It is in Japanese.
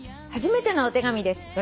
「初めてのお手紙です。